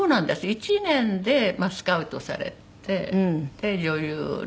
１年でスカウトされてで女優に。